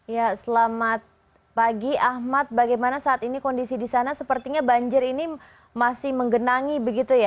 ya selamat pagi ahmad bagaimana saat ini kondisi di sana sepertinya banjir ini masih menggenangi begitu ya